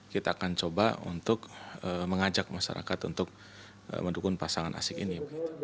kita akan coba untuk mengajak masyarakat untuk mendukung pasangan asik ini